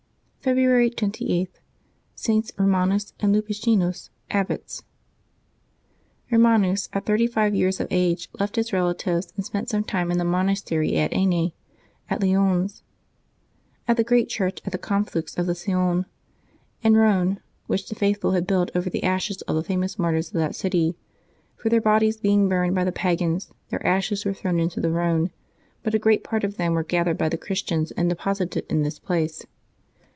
February 28.— STS. ROMANUS and LUPICINUS, Abbots. <^V)MANUS at thirty five years of age left his relatives Kt and spent some time in the monastery of Ainay at Lyons, at the great church at the conflux of the Saone and Ehone which the faithful had built over the ashes of the famous martyrs of that city ; for their bodies being burned by the pagans, their ashes were thrown into the Ehone, but a great part of them vras gathered by the Christians and deposited in this place.